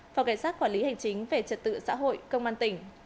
phòng cảnh sát quản lý hành chính về trật tự xã hội công an tỉnh